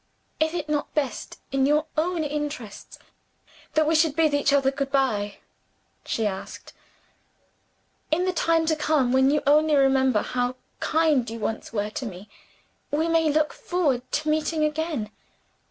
"Is it not best, in your own interests, that we should bid each other good by?" she asked. "In the time to come when you only remember how kind you once were to me we may look forward to meeting again.